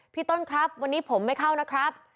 พี่ต้นครับวันนี้ผมไม่เข้านะครับ